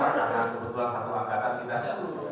ternyata kebetulan satu angkatan tidak